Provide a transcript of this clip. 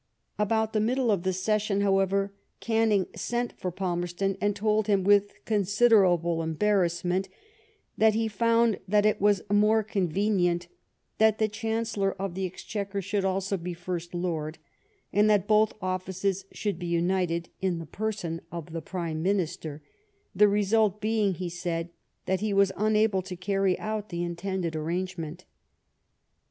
About the middle of the session, however. Canning sent for Palmerston, and told him> with considerable embarrassment, that he found that it was more convenient that the Chancellor of the Ex chequer should also be First Lord, and that both offices should be united in the person of the Prime Minister^ the result being, he said, that he was unable to carry out the intended arrangement.